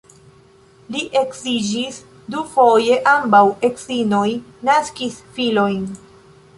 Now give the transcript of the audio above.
Li edziĝis dufoje, ambaŭ edzinoj naskis filojn.